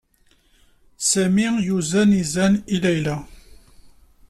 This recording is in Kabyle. Sami yuzen izen i Layla.